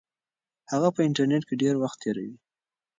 هغه په انټرنیټ کې ډېر وخت تیروي.